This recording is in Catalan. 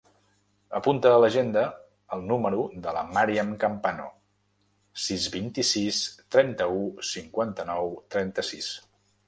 Apunta a l'agenda el número de la Màriam Campano: sis, vint-i-sis, trenta-u, cinquanta-nou, trenta-sis.